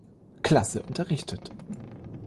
Klasse unterrichtet.